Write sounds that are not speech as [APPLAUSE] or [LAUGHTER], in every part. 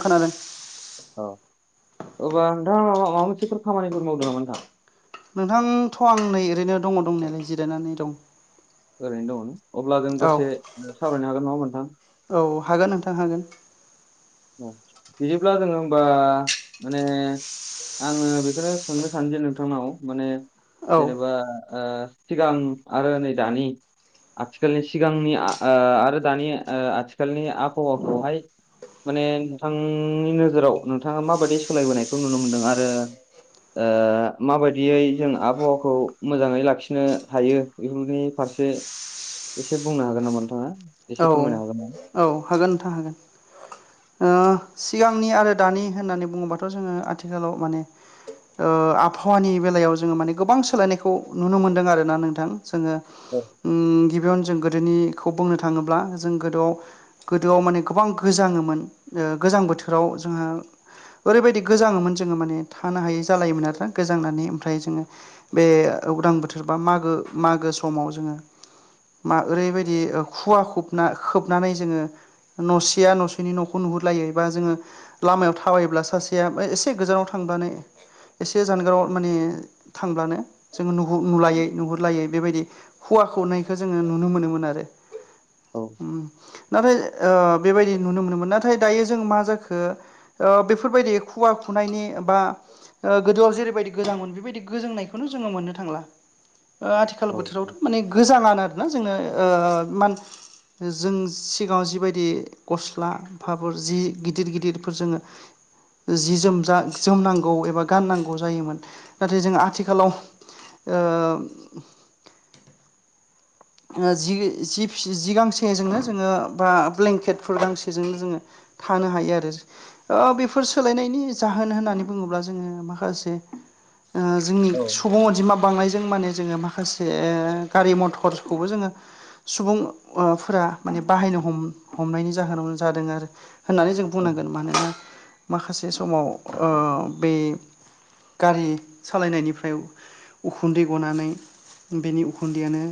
खोनादों औ अब्ला नोंथाङा मा माबा मोनसेफोर खामानिफोर मावदों नामा नोंथां? नोंथांथ आं नै ओरैनो दङ दंनायालाय जिरायनानै दं। ओरैनो दङ अब्ला जों औ दसे सावरायनो हागोन नङा होनबा नोंथां? औ हागोन नोंथां हागोन। औ बिदिब्ला जोङो हमबा माने आङो बेखौनो सोंनो सानोदि नोंथांनाव माने औ जेनेबा ओ सिगां आरो नै दानि आथिखालनि सिगांनि ओ आरो दानि आथिखालनि आबहावाखौहाय माने नोंथांनि नोजोराव नोंथाङा माबायदि सोलायबोनायखौ नुनो मोनदों आरो ओ माबायदियै जों आबहावाखौ मोजाङै लाखिनो हायो? बेफोरनि फारसे एसे बुंनो हागोन नामा नोंथाङा औ एसे फोरमायनो हागोन नामा? औ हागोन नोंथां हागोन ओ सिगांनि आरो दानि होननानै बुङोबाथ जोङो आथिखालाव माने ओ आबहावानि बेलायाव जोङो माने गोबां सोलायनायखौ नुनो मोनदों आरोना नोंथां जोङो औ उम गिबियावनो जों गोदोनिखौ बुंनो थाङोब्ला जों गोदोआव गोदोआव माने गोबां गोजाङोमोन गोजां बोथोराव जोङो ओरैबायदि गोजाङोमोन जोङो माने थानो हायै जालायोमोन आरोना गोजांनानै ओमफ्राय जोङो बे उदां बोथोर बा मागो मागो समाव जोङो मा ओरैबायदि खुवा खुबना खोबनानै जोङो न'सेया न'सेनि न'खौ नुहुरलायै एबा जोङो लामायाव थाबायोब्ला सासेया एसे गोजानाव थांनानै एसे जानगाराव माने थांब्लानो जोङो नुहु नुलायै नुहुरलायै बेबायदि खुवा खोबनायखौ जोङो नुनो मोनोमोन आरो औ नाथाय बेबायदि नुनो मोनोमोन नाथाय दायो जों मा जाखो बेफोरबायदि खुवा खुनायनि बा गोदोआव जेरैबायदि गोजाङोमोन बेबायदि गोजांनायखौनो जोङो मोननो थांला आथिखाल औ बोथोरावथ माने गोजाङानो आरोना जोंनो मान जों सिगाङाव जिबायदि गस्ला जि गिदिर गिदिरफोर जोङो जि जोम जा जोमनांगौ एबा गाननांगौ जायोमोन नाथाय जों आथिखालाव ओ जि जि गांसेजोंनो जोङो बा ब्लेंकेटफोर गांसेजोंनो जोङो थानो हायो आरो बेफोर सोलायनायनि जाहोन होननानै बुङोब्ला जोङो माखासे जोंनि औ सुबुं अनजिमा बांनायजों माने जोङो माखासे गारि मथर खौबो जोङो सुबुं फोरा माने बाहायनो हम हमनायनि जाहोनाव जादों आरो होननानै जों बुंनांगोन मानोना माखासे समाव बे गारि सालायनायनिफ्राय उखुन्दै गनानै बेनि उखुन्दैयानो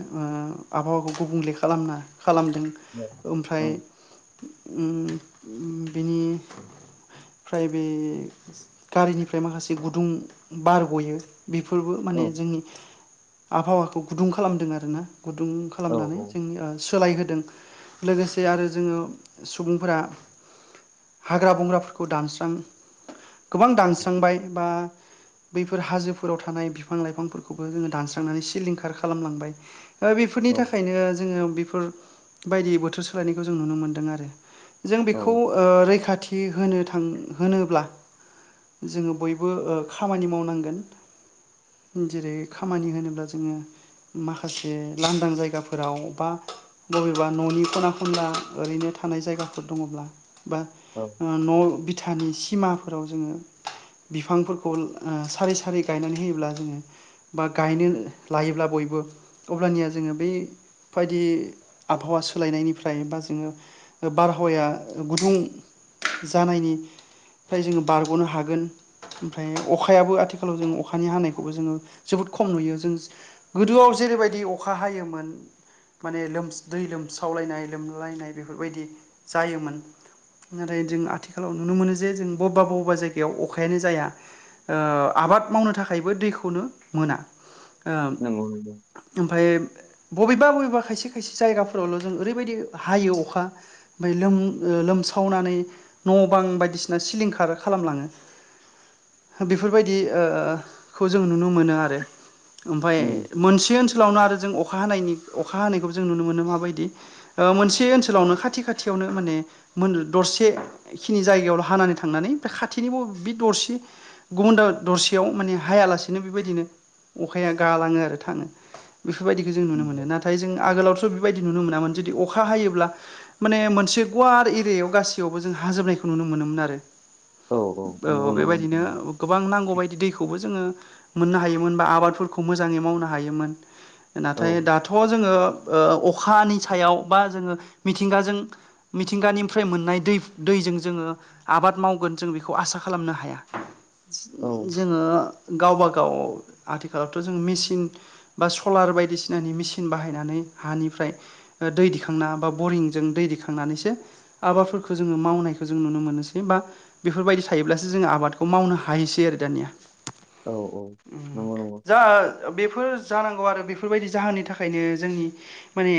आबहावाखौ गुबुंले खालामना खालामदों औ ओमफ्राय बेनि फ्राय बे गारिनिफ्राय माखासे गुदुं बार गयो बेफोरबो माने जोंनि आबहावाखौ गुदुं खालामदों आरोना गुदुं खालामनानै जों सोलायहोदों लोगोसे आरो जोङो सुबुंफोरा हाग्रा बंग्राफोरखौ दानस्राङो गोबां दानस्रांबाय बा बैफोर हाजोफोराव थानाय बिफां लाइफांफोरखौबो जोङो दानस्रांनानै सिलिंखार खालामलांबाय बेफोरनि औ थाखायनो जोङो बेफोरबायदि बोथोर सोलायनायखौ जों नुनो मोनदों आरो जों औ बेखौ रैखाथि होनो थां होनोब्ला जोङो बयबो खामानि मावनांगोन जेरै खामानि होनोब्ला जोङो माखासे जे लांदां जायगाफोराव बा बबेबा न'नि खना खनला ओरैनो थानाय जायगाफोर दङब्ला बा औ न' बिथानि सिमाफोराव जोङो बिफांफोरखौ सारै सारै गायनानै होयोब्ला जोङो बा गायनो लायोब्ला बयबो अब्लानिया जोङो बैबायदि आबहावा सोलायनायनिफ्राय बा जोङो बारहावाया गुदुं जानायनि फ्राय जोङो बारग'नो हागोन ओमफ्राय अखायाबो आथिखालाव जों अखानि हानायखौबो जोङो जोबोद खम नुयो जों गोदोआव जेरैबायदि अखा हायोमोन माने लोम दै लोमसावलायनाय लोमलायनाय बेफोरबायदि जायोमोन नाथाय जों आथिखालाव नुनो मोनो जे जों बबेबा बबेबा जायगायाव अखायानो जाया आबाद मावनो थाखायबो दैखौनो मोना नंगौ नंगौ ओमफ्राय बबेबा बबेबा खायसे खायसे जायगाफोरावल' जों ओरैबायदि हायो अखा ओमफ्राय लोम लोमसावनानै न' बां बायदिसिना सिलिंखार खालामलाङो। बेफोरबायदिखौ जों नुनो मोनो आरो ओमफाय उम मोनसे स्कुलावनो आरो जों अखा हानायनि अखा हानायखौबो जों नुनो मोनो माबायदि? मोनसे ओनसोलावनो खाथि खाथियावनो माने दरसे खिनि जायगायाव' हानानै थांनानै बे खाथिनिबो बे दरसे गुबुन द दरसेयाव माने हायालासेनो बेबायदिनो अखाया गालाङो आरो थाङो। बेफोरबायदिखौ जों नुनो नंगौ मोनो नाथाय जों आगोलावथ' बेबायदि नुनो मोनामोन जुदि अखा हायोब्ला माने मोनसे गुवार एरियायाव गासैयावबो जों हाजोबनायखौ नुनो मोनोमोन आरो। औ औ नंगौ नंगौ बेबायदिनो नंगौ. औ गोबां नांगौबायदि दैखौबो जोङो मोननो हायोमोन बा आबादफोरखौ मोजाङै मावनो हायोमोन। औ नाथाय दाथ' जोङो ओ अखानि सायाव बा जोङो मिथिंगाजों मिथिंगानिफ्राय मोननाय दै दैजों जोङो आबाद मावगोन जों बेखौ आसा खालामनो हाया। औ जोङो गावबा गाव आथिखालावथ' जों मेचिन बा सलार बायदिसिनानि मेसिन बाहायनानै हानिफ्राय दै दिखांना बा बरिंजों दै दिखांनानैसो आबादफोरखौ जोङो मावनायखौ जों नुनो मोनोसै बा बेफोरबायदि थायोब्लासो जोङो आबादखौ मावनो हायोसै आरो दानिया। औ औ नंगौ नंगौ जा बेफोर जानांगौ आरो बेफोरबायदि जाहोननि थाखायनो जोंनि माने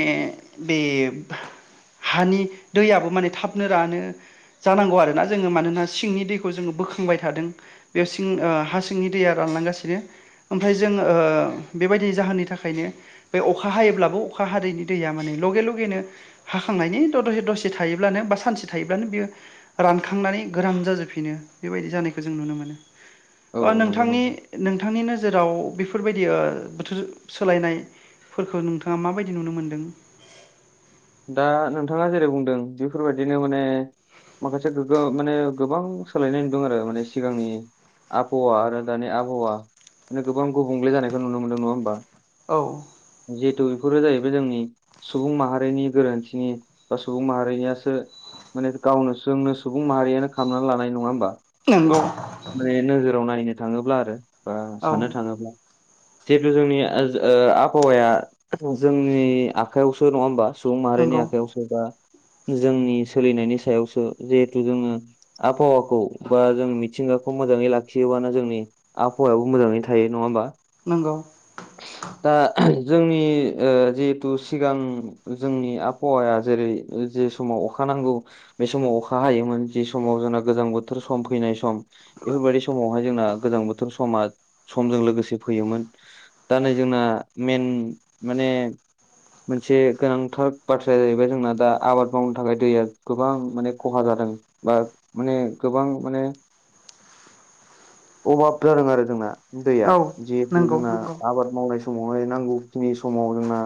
बे हानि दैयाबो माने थाबनो रानो। जानांगौ आरोना जोङो मानोना सिंनि दैखौ जोङो बोखांबाय थादों। बेयाव सिं हा सिंनि दैया रानलांगासिनो ओमफ्राय जों बेबायदि जाहोननि थाखायनो बे अखा हायोब्लाबो अखा हादैनि दैया माने लगे लगेनो हाखांनायनि द दसे दसे थायोब्लानो बा सानसे थायोब्लानो बियो रानखांनानै गोराम जाजोबफिनो बेबायदि जानायखौ जों नुनो औ मोनो। नंगौ नोंथांनि नंगौ नोंथांनि नोजोराव बेफोरबायदियो बोथोर सोलायनायफोरखौ नोंथाङा माबायदि नुनो मोन्दों। दा नोंथाङा जेरै बुंदों बेफोरबायदिनो माने माखासे गोग्गो माने गोबां सोलायनाय दं आरो माने सिगांनि आबहावा आरो दानि आबहावा गोबां गुबुंले जानायखौ नुनो मोनदों नङा होमबा? औ जिहेतु बेफोरो जाहैबाय जोंनि सुबुं माहारिनि गोरोन्थिनि बा सुबुं माहारिनियासो माने गावनो सोंनो सुबुं माहारियानो खालामनानै लानाय नङा होमबा? नंगौ माने नोजोराव नायनो थाङोब्ला आरो बा औ साननो थाङोब्ला जिहेथु जोंनि आबहावाया जोंनि आखायावसो नङा होमबा? सुबुं माहारिनि नंगौ आखायावसो बा जोंनि सोलिनायनि सायावसो जिहेथु जोङो आबहावाखौ बा जों मिथिंगाखौ मोजाङै लाखियोबानो जोंनि आबहावायाबो मोजाङैनो थायो नङा होमबा? नंगौ ओ दा जोंनि जिहेथु सिगां जोंनि आबहावाया जेरै जे समाव अखा नांगौ बे समाव अखा हायोमोन जि समाव जोंना गोजां बोथोर सम फैनाय सम बेफोरबायदि समावहाय जोंना गोजां बोथोर समा समजों लोगोसे फैयोमोन। दा नै जोंना मेन माने मोनसे गोनांथार बाथ्राया जाहैबाय जोंना दा आबाद मावनो थाखाय दैया गोबां माने खहा जादों। बा माने गोबां माने अभाब जादों आरो जोंना दैया औ जिहेथु नंगौ जोंना आबाद मावनाय समावहाय नांगौखिनि समाव जोंना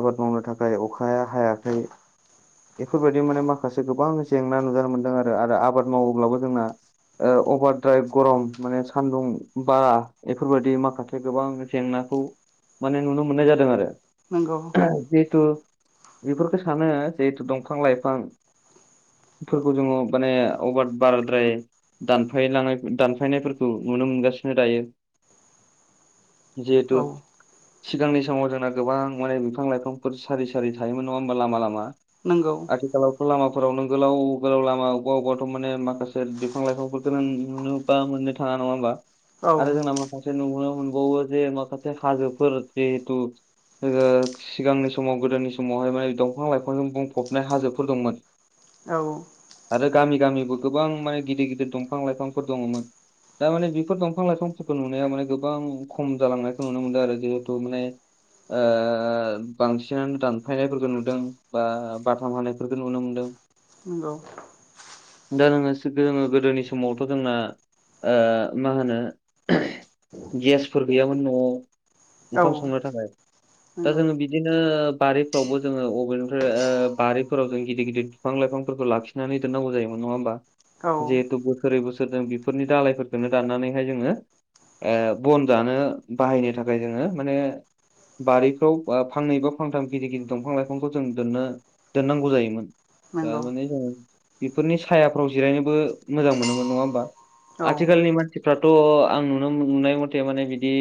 आबाद मावनो थाखाय अखाया हायाखै बेफोरबायदि माने माखासे गोबां जेंना नुजानो मोनदों आरो आरो आबाद मावोब्लाबो जोंना अभार द्राइ गरम माने सान्दुं बा एफोरबायदि माखासे गोबां जेंनाखौ माने नुनो मोननाय जादों आरो नंगौ जिहेतु बेफोरखौ सानो जिहेथु दंफां लाइफां फोरखौ जोङो माने अभार बाराद्राय दानफालांनाय दानफायनायफोरखौ नुनो मोनगासिनो दायो नंगौ औ जिहेतु सिगांनि समाव जोंना गोबां माने बिफां लाइफांफोर सारि सारि थायोमोन नङा होमबा लामा लामा नोंगौ आथिखालावथ' लामाफोराव नों गोलाव गोलाव लामा अबबा अबबाथ' माने माखासे बिफां लाइफांफोरखौनो नुनो बा मोननो थाङा नङा होमबा औ आरो जोंना मा खासे नुनो मोनबावो जे माखासे हाजोफोर जिहेतु सिगांनि समाव गोदोनि समावहाय माने दंफां लाइ फांजों बुंफबनाय हाजोफोर दंमोन औ आरो गामि गामिबो गोबां माने गिदिर गिदिर दंफां-लाइफांफोर दङ'मोन दा माने बेफोर दंफां-लाइफांफोरखौ नुनायाव माने गोबां खम जालांनायखौ नुनो मोनदों आरो जिहेथु माने ओ बांसिनानो दानफायनायफोरखौ नुदों बा बाथाम हानायफोरखौ नुनो मोनदों नोंगौ [UNINTELLIGIBLE] सो दोङो गोदोनि समावथ' जोंना ओ मा होनो गेसफोर गैयामोन न'आव औ ओंखाम संनो थाखाय दा नंगौ जोङो बिदिनो बारिफ्रावबो जोङो अबे ओ बारिफोराव जों गिदिर गिदिर बिफां लाइफांफोरखौ लाखिनानै दोननांगौ जायोमोन नङा होमबा औ जिहेथु बोसोरै बोसोर जों बेफोरनि दालायफोरखौनो दाननानैहाय जोङो ओ बन जानो बाहायनो थाखाय जोङो माने बारिफ्राव ओ फांनै बा फांथाम गिदर गिदिर दंफां लाइफांफोर जों दोननो दोननांगौ जायोमोन दा नंगौ माने जोङो बेफोरनि सायाफ्राव जिरायनोबो मोजां मोनोमोन नङा होमबा औ आथिखालनि मानसिफ्राथ' आं नुनो नुनाय मथे माने बिदि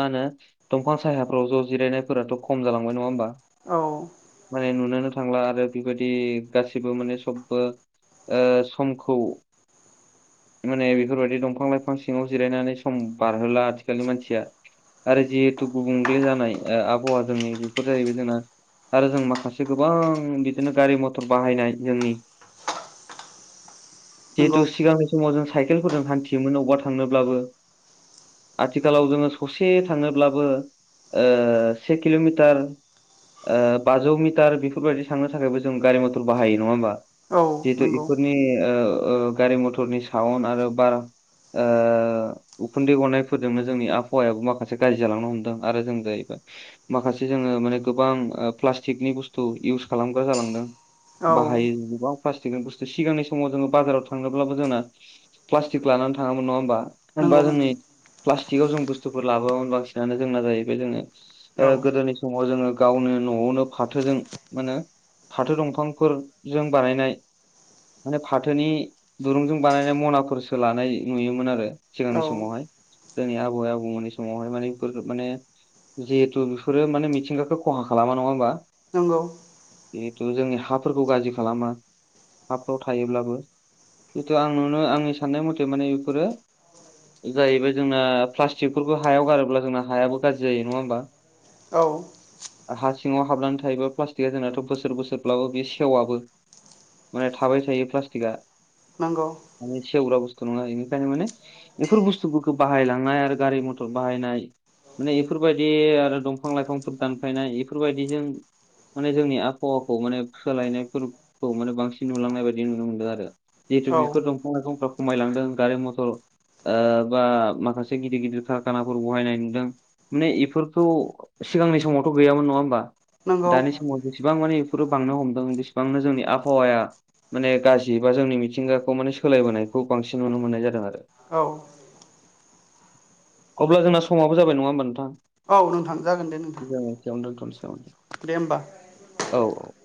मा होनो दंफां सायावफ्राव ज' जिरायनायफोराथ' खम जालांबाय नङा होमबा औ माने नुनोनो थांला आरो बिबादि गासिबो माने सबबो ओ समखौ माने बेफोरबायदि दंफां-लाइफां सिङाव जिरायनानै सम बारहोला आथिखालनि मानसिया आरो जिहेतु गुबुंले जानाय ओ आबहावा जोंनि बेफोर जाहैबाय जोंना आरो जों माखासे गोबां बिदिनो गारि मथर बाहायनाय जोंनि नंगौ जिहेतु सिगांनि समाव जों साइकेलफोरजों हान्थियोमोन अबावबा थांनोब्लाबो आथिखालाव जोङो ससे थाङोब्लाबो ओ से किल'मिटार ओ बाजौ मिटार बेफोरबायदि थांनो थाखायबो जों गारि मटर बाहायो नङा होमबा औ जिहेथु नंगौ इफोरनि ओ ओ गारि मथरनि साउन्ड आरो बार ओ उखुन्दै गनायफोरजोंनो जोंनि आबहावायाबो माखासे गाज्रि जालांनो हमदों आरो जों जाहैबाय माखासे जोङो माने गोबां ओ प्लास्टिकनि बुस्थु इउस खालामग्रा जालांदों औ बाहायो गोबां प्लास्टिकनि बुस्थु सिगांनि समाव जोङो बाजाराव थांनोब्लाबो जोंना प्लास्टिक लानानै थाङामोन नङा होमबा थामहिनबा नंगौ जोंनि नंगौ प्लास्टिकाव जों बुस्थुफोर लाबोआमोन बांसिनानो जोंना जाहैबाय जोङो औ ओ गोदोनि समाव जोङो गावनो न'आवनो फाथोजों मा होनो फाथो दंफांफोरजों बानायनाय माने फाथोनि दुरुंजों बानायनाय मनाफोरसो लानाय नुयोमोन आरो सिगांनि औ समावहाय जोंनि आबै आबौमोननि समावहाय माने बेफोर माने जिहेथु बेफोरो माने मिथिंगाखौ खहा खालामा नङा होमबा नोंगौ जिहेतु जोंनि हाफोरखौ गाज्रि खालामा हाफ्राव थायोब्लाबो जितु आं नुनो आंनि साननाय मथे माने बेफोरो जाहैबाय जोंना प्लास्टिकफोरखौ हायाव गारोब्ला जोंना हायाबो गाज्रि जायो नङा होमबा औ हा सिङाव हाबनानै थायोबा प्लास्टिकआ जोंनाथ' बोसोर बोसोरब्लाबो बे सेवाबो माने थाबाय थायो प्लास्टिकआ नोंगौ माने सेवग्रा बस्थु नङा इनि थाखाय माने बेफोर बुस्थुफोरखौ बाहायलांनाय आरो गारि मथर बाहायनाय माने इफोरबायदि आरो दंफां लाइफांफोर दानफायनाय इफोरबायदिजों माने जोंनि आबहावाखौ माने सोलायनायफोरखौ माने बांसिन नुलांनाय बायदि नुनो मोनदों आरो जिहेतु औ बेफोर दंफां लाइफंफ्रा खमायलांदों गारि मथर ओ बा माखासे गिदिर गिदिर खारखानाफोर बहायनाय नुदों माने बेफोरखौ सिगांनि समावथ' गैयामोन नङा होमबा नंगौ दानि समाव जेसेबां मानि बेफोरो बांनो हमदों बेसेबांनो जोंनि आबहावाया माने गाज्रि बा जोंनि मिथिंगाखौ माने सोलायबोनायखौ बांसिन नुनो मोननाय जादों आरो औ अब्ला जोंना समावबो जाब नङा होमबा नोंथां औ नोंथां जागोन दे नोंथां जागोन बेयावनो दोनथनानै नामा दे होमबा औ औ